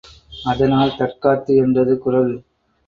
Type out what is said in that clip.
அதனால் தற்காத்து என்றது குறள்.